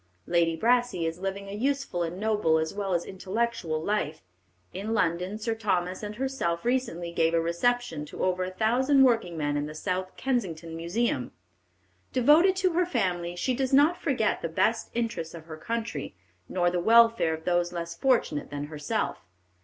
Lady Brassey is living a useful and noble as well as intellectual life. In London, Sir Thomas and herself recently gave a reception to over a thousand workingmen in the South Kensington Museum. Devoted to her family, she does not forget the best interests of her country, nor the welfare of those less fortunate than herself.